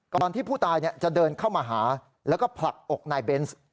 ที่ผู้ตายจะเดินเข้ามาหาแล้วก็ผลักอกนายเบนส์